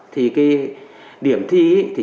thì điểm thi